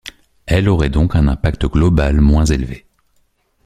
Elles auraient donc un impact global moins élevé.